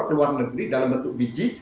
ke luar negeri dalam bentuk biji